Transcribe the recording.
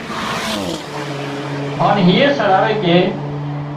هانَ هيئي سڙاوي ڪي